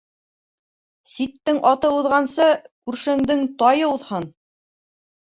Ситтең аты уҙғансы, күршеңдең тайы уҙһын.